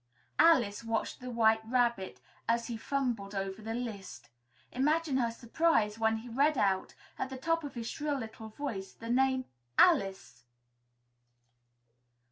Alice watched the White Rabbit as he fumbled over the list. Imagine her surprise when he read out, at the top of his shrill little voice, the name "Alice!"